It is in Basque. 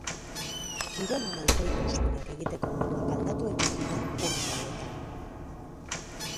Kirolen aurreikuspenak egiteko moduak aldatu egin dira urte hauetan.